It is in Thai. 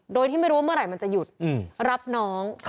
โดยที่ไม่รู้ว่าเมื่อไหร่มันจะหยุดรับน้อง